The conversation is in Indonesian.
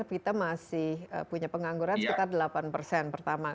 kita masih punya pengangguran sekitar delapan persen pertama